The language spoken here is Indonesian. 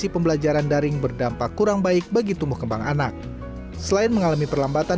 pembelajaran daring berdampak kurang baik bagi tumbuh kembang anak selain mengalami perlambatan